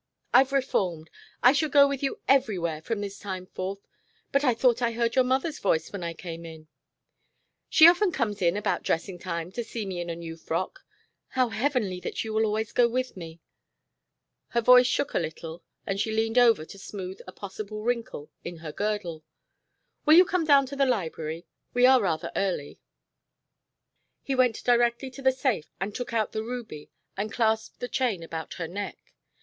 "I've reformed. I shall go with you everywhere from this time forth. But I thought I heard your mother's voice when I came in " "She often comes in about dressing time to see me in a new frock. How heavenly that you will always go with me." Her voice shook a little and she leaned over to smooth a possible wrinkle in her girdle. "Will you come down to the library? We are rather early." He went directly to the safe and took out the ruby and clasped the chain about her neck.